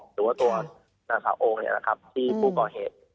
หรือว่าตัวหน้าสาวโอ้งเนี่ยนะครับที่ผู้ก่อเหตุ